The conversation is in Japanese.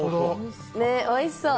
おいしそう。